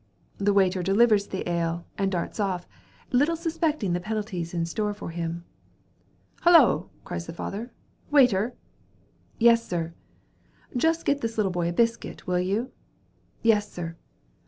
The waiter delivers the ale, and darts off, little suspecting the penalties in store for him. 'Hollo,' cries the father, 'waiter!' 'Yes, Sir.' 'Just get this little boy a biscuit, will you?' 'Yes, Sir.